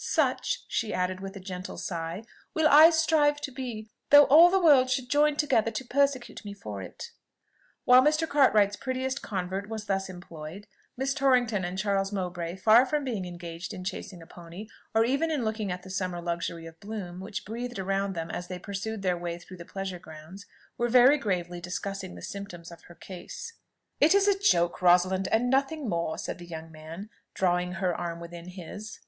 Such" she added with a gentle sigh, "will I strive to be, though all the world should join together to persecute me for it." While Mr. Cartwright's prettiest convert was thus employed, Miss Torrington and Charles Mowbray, far from being engaged in chasing a pony, or even in looking at the summer luxury of bloom which breathed around them as they pursued their way through the pleasure grounds, were very gravely discussing the symptoms of her case. "It is a joke, Rosalind, and nothing more," said the young man, drawing her arm within his.